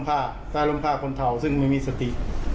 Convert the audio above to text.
คู่แฟดน่ะไม่มี